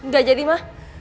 gak jadi ma